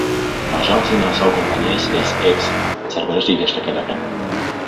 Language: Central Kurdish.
ئاژانسی ناسا و کۆمپانیای سپەیس ئێکس سەرپەرشتی گەشتەکە دەکەن.